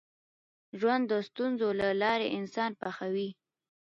ژوند د ستونزو له لارې انسان پخوي.